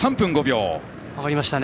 上がりましたね。